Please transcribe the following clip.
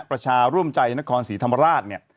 ประชาร่วมใจนครศรีธรรมราชเนี่ย